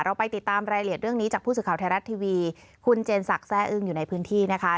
ไปติดตามรายละเอียดเรื่องนี้จากผู้สื่อข่าวไทยรัฐทีวีคุณเจนศักดิ์แซ่อึ้งอยู่ในพื้นที่นะคะ